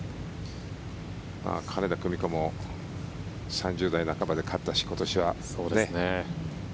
金田久美子も３０代半ばで勝ったし今年は。